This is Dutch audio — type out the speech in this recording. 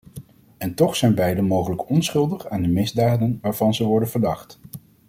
En toch zijn beiden mogelijk onschuldig aan de misdaden waarvan ze worden verdacht.